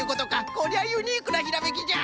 こりゃユニークなひらめきじゃ！